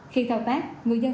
khi thao tác người dân